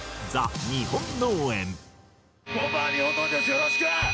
よろしく！